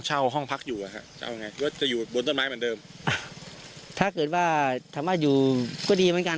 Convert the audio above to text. เช่าห้องพักอยู่จะอยู่บนต้นไม้เหมือนเดิมถ้าเกิดว่าถามว่าอยู่ก็ดีเหมือนกัน